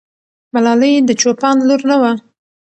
ملالۍ د چوپان لور نه وه.